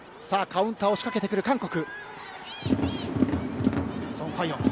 カウンターを仕掛ける韓国。